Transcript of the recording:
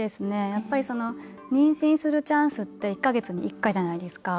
やっぱり、妊娠するチャンスって１か月に１回じゃないですか。